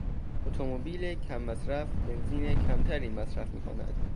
اتومبیل کم مصرف بنزین کمتری مصرف میکند.